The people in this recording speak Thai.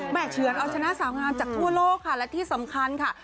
เฉือนเอาชนะสาวงามจากทั่วโลกค่ะและที่สำคัญค่ะ